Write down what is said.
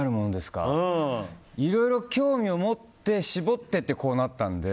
いろいろ興味を持って絞っていってこうなったので。